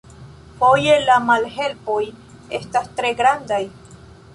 Foje la malhelpoj estas tre grandaj!